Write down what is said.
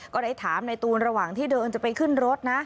ก็ได้ถามในตูนระหว่างที่เดินจะไปขึ้นรถนะ